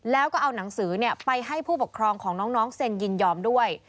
แล้วก็เอาหนังสือไปให้ผู้ปกครองของน้องเซ็นยินยอมด้วย